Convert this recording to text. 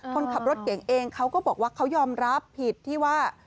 คนขับรถเก่งเองเขาก็บอกว่าเขายอมรับผิดที่ว่า